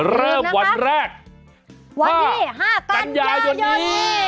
เริ่มวันแรก๕กันยายนนี้